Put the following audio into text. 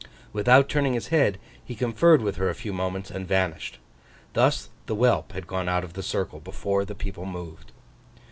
Without turning his head, he conferred with her a few moments, and vanished. Thus the whelp had gone out of the circle before the people moved.